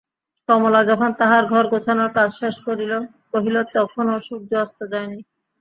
কমলা যখন তাহার ঘর-গোছানোর কাজ শেষ কহিল তখনো সূর্য অস্ত যায় নাই।